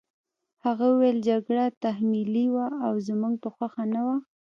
هغه وویل جګړه تحمیلي وه او زموږ په خوښه نه وه